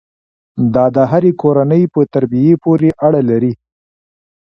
دا د هرې کورنۍ په تربیې پورې اړه لري.